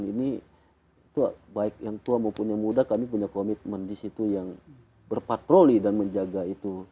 ini baik yang tua maupun yang muda kami punya komitmen di situ yang berpatroli dan menjaga itu